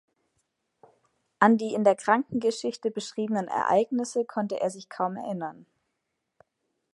An die in der Krankengeschichte beschriebenen Ereignisse konnte er sich kaum erinnern.